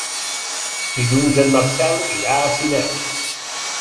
Dilluns en Marcel irà a Sineu.